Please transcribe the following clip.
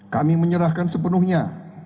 kami menyerahkan sepenuhnya